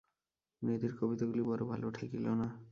নিধির কবিতাগুলি বড়ো ভালো ঠেকিল না।